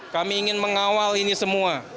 kami ingin mengawal ini semua